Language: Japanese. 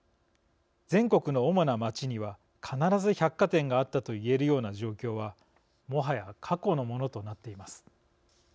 全国の主な街には必ず百貨店があったと言えるような状況はもはや過去のものとなっています。